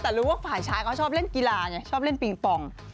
แต่รู้ว่าฝ่ายชายเขาชอบเล่นกีฬาไงชอบเล่นปิงปอง